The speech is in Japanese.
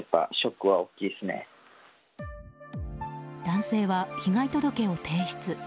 男性は被害届を提出。